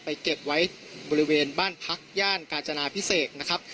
เก็บไว้บริเวณบ้านพักย่านกาจนาพิเศษนะครับ